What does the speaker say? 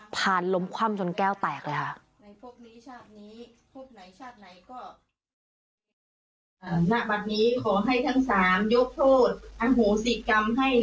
ผ่านล้มคว่ำจนแก้วแตกเลยฮะ